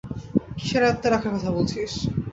কীসের আয়ত্তে রাখার কথা বলছিস?